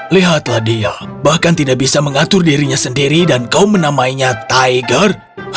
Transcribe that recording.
lihatlah dia bahkan tidak bisa mengatur dirinya sendiri dan kau menamainya tiger